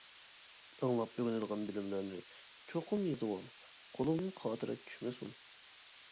ئاڭلاپ ئۆگىنىدىغان بىلىملەرنى چوقۇم يېزىۋال، قولۇڭدىن خاتىرە چۈشمىسۇن.